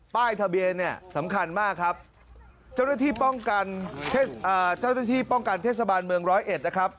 ป้ายทะเบียนเนี่ยสำคัญมากครับเจ้าหน้าที่ป้องกันเจ้าหน้าที่ป้องกันเทศบาลเมืองร้อยเอ็ดนะครับ